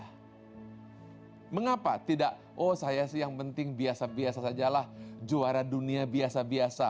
hai mengapa tidak oh saya sih yang penting biasa biasa sajalah juara dunia biasa biasa